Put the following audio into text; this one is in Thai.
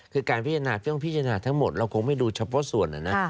คือการพิจารณาต้องพิจารณาทั้งหมดเราคงไม่ดูเฉพาะส่วนนะนะ